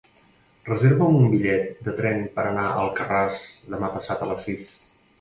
Reserva'm un bitllet de tren per anar a Alcarràs demà passat a les sis.